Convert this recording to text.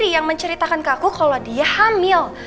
yang menceritakan ke aku kalau dia hamil